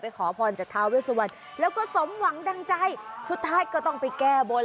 ขอพรจากทาเวสวันแล้วก็สมหวังดังใจสุดท้ายก็ต้องไปแก้บน